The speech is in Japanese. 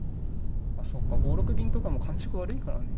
まあそうか５六銀とかも感触悪いからね